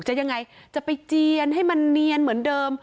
ยังไงจะไปเจียนให้มันเนียนเหมือนเดิม